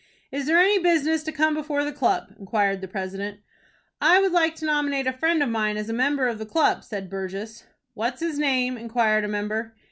"Is there any business to come before the club?" inquired the president. "I would like to nominate a friend of mine as a member of the club," said Burgess. "What's his name?" inquired a member.